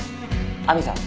「亜美さん